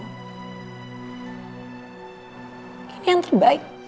ini yang terbaik